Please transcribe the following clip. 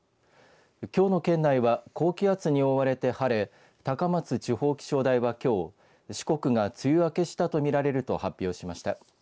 きょうの県内は高気圧に覆われて晴れ高松地方気象台はきょう四国が梅雨明けしたと見られると発表しました。